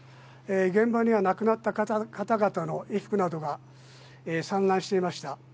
現場には亡くなった方々の衣服などが散乱していました。